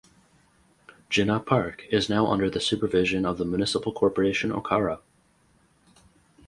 Jinnah Park is now under the supervision of the Municipal Corporation Okara.